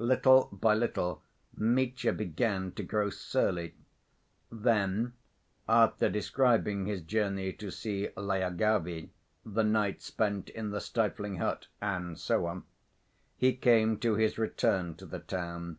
Little by little Mitya began to grow surly. Then, after describing his journey to see Lyagavy, the night spent in the stifling hut, and so on, he came to his return to the town.